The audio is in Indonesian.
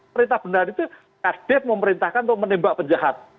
perintah benar itu kadif memerintahkan untuk menembak penjahat